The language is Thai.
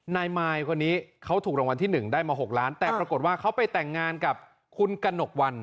นายมายคนนี้เขาถูกรางวัลที่๑ได้มา๖ล้านแต่ปรากฏว่าเขาไปแต่งงานกับคุณกระหนกวัน